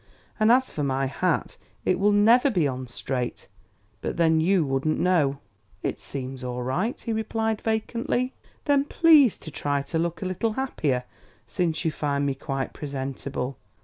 "And as for my hat, it will never be on straight but then you wouldn't know." "It seems all right," he replied vacantly. "Then please to try to look a little happier, since you find me quite presentable."